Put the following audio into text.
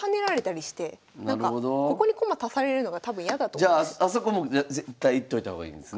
じゃああそこも絶対いっといた方がいいんですね。